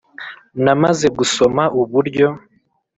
na maze gusoma uburyo